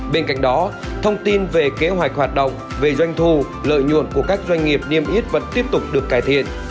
bên cạnh đó thông tin về kế hoạch hoạt động về doanh thu lợi nhuận của các doanh nghiệp niêm yết vẫn tiếp tục được cải thiện